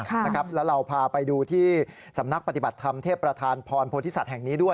แล้วเราพาไปดูที่สำนักปฏิบัติธรรมเทพประธานพรโพธิสัตว์แห่งนี้ด้วย